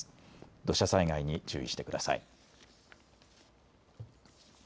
土砂災害に注意してください。